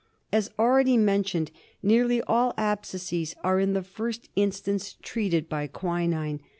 As already mentioned, nearly all abscesses are in the first instance treated by quinine.